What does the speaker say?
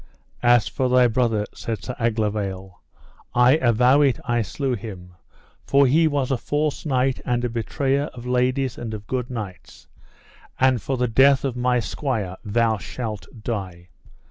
As for thy brother, said Sir Aglovale, I avow it I slew him, for he was a false knight and a betrayer of ladies and of good knights; and for the death of my squire thou shalt die.